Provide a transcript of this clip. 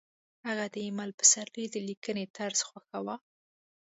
هغې د ایمل پسرلي د لیکنې طرز خوښاوه